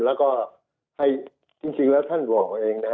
และจริงแล้วท่านบอกเอง